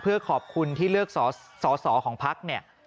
เพื่อขอบคุณที่เลือกสอของภักด์